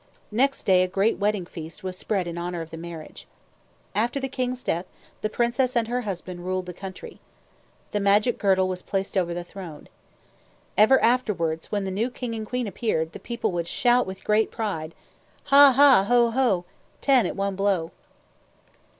Next day a great wedding feast was spread in honor of the marriage. After the king's death, the princess and her husband ruled the country. The magic girdle was placed over the throne. Ever afterwards, when the new king and queen appeared, the people would shout with great pride, "Ha, ha! Ho, ho! Ten at one blow."